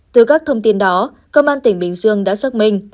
từ các thông tin đó công an tỉnh bình dương đã xác minh